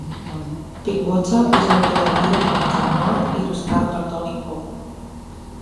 Pinkwater és l'autor de la tira còmica 'Norb', il·lustrada per Tony Auth.